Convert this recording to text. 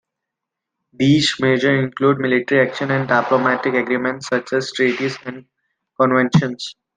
These measures include military action and diplomatic agreements such as treaties and conventions.